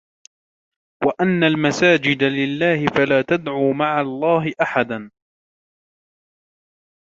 وأن المساجد لله فلا تدعوا مع الله أحدا